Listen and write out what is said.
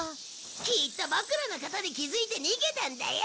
きっとボクらのことに気づいて逃げたんだよ。